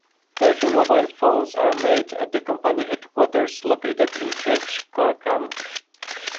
Vertu mobile phones are made at the company headquarters, located in Church Crookham.